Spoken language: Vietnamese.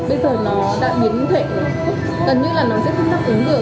bây giờ nó đã biến thể tận như là nó sẽ không nắp ứng được